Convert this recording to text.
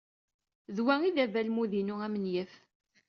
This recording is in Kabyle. D wa ay d abalmud-inu amenyaf.